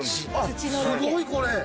すごいこれ。